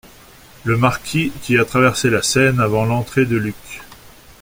Le Marquis , qui a traversé la scène avant l’entrée de Luc.